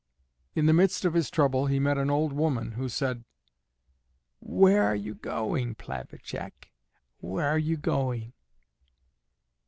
In the midst of his trouble he met an old woman who said, "Where are you going, Plavacek? Where are you going?"